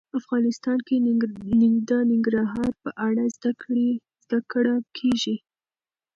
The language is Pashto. افغانستان کې د ننګرهار په اړه زده کړه کېږي.